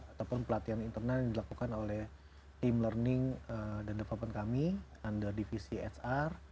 ataupun pelatihan internal yang dilakukan oleh team learning dan development kami under divisi hr